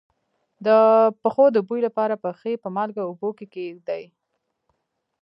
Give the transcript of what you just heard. د پښو د بوی لپاره پښې په مالګه اوبو کې کیږدئ